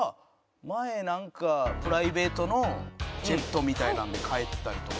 前なんかプライベートのジェットみたいなので帰ったりとか。